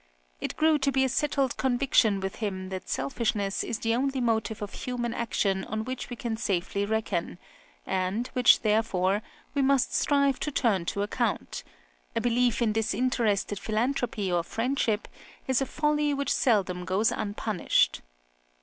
It grew to be a settled conviction with him that selfishness is the only motive of human action on which we can safely reckon, and which, therefore, we must strive to turn to account: a belief in disinterested philanthropy or friendship is a folly which seldom goes unpunished.